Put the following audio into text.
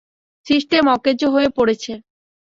System অকেজো হয়ে পড়েছে!